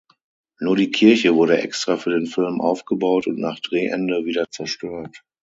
Nur die Kirche wurde extra für den Film aufgebaut und nach Drehende wieder zerstört.